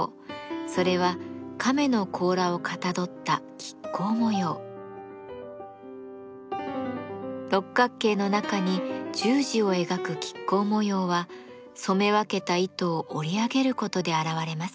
それは亀の甲羅をかたどった六角形の中に十字を描く亀甲模様は染め分けた糸を織り上げることで現れます。